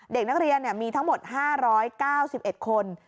เด็กนักเรียนมีทั้งหมด๕๙๑คน